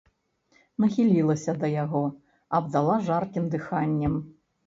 Нахілілася да яго, абдала жаркім дыханнем.